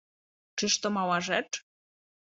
Czyż to mała rzecz?